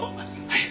はい。